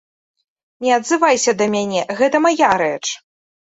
Не адзывайся да мяне, гэта мая рэч.